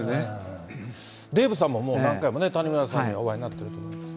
デーブさんも何回も谷村さんにお会いになってると思いますが。